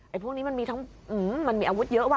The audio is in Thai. พวกนี้มันมีทั้งมันมีอาวุธเยอะว่